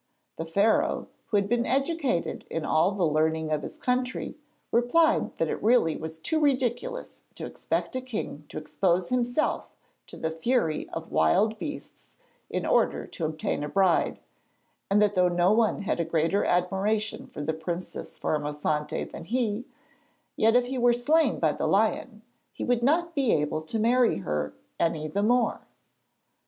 The Pharaoh, who had been educated in all the learning of his country, replied that it really was too ridiculous to expect a king to expose himself to the fury of wild beasts in order to obtain a bride, and that though no one had a greater admiration for the princess Formosante than he, yet if he were slain by the lion, he would not be able to marry her any the more.